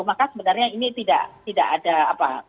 maka sebenarnya ini tidak ada apa